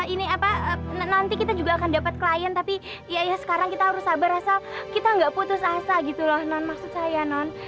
ini apa nanti kita juga akan dapat klien tapi ya sekarang kita harus sabar rasa kita nggak putus asa gitu loh non maksud saya non